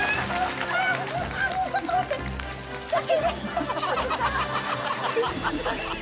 ちょっと待って先が。